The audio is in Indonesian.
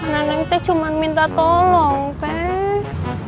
nenek teh cuma minta tolong teh